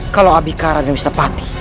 kalau abhikara dan mr pati